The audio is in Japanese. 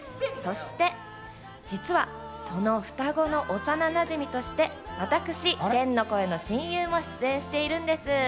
そして、実はその双子の幼なじみとして、私、天の声の親友も出演しているんです。